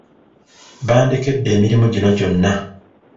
Bandekedde emirimu gino gyonna.